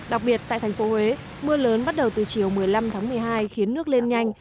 đặc biệt tại thành phố huế mưa lớn bắt đầu từ chiều một mươi năm tháng một mươi hai khiến nước lên nhanh